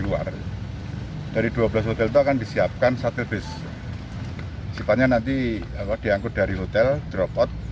luar dari dua belas hotel akan disiapkan satu bisnis sifatnya nanti apa dianggur dari hotel dropout